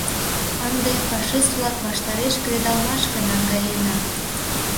Ынде фашист-влак ваштареш кредалмашке наҥгаена.